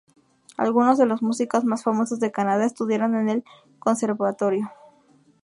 Algunos de los músicos más famosos de Canadá estudiaron en el Conservatorio.